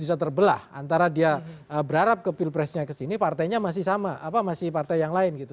bisa terbelah antara dia berharap ke pilpresnya kesini partainya masih sama apa masih partai yang lain gitu